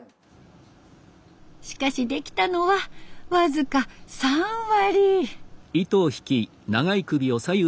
しかしできたのは僅か３割。